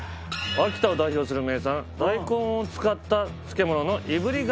秋田を代表する名産大根を使った漬物のいぶりがっこ。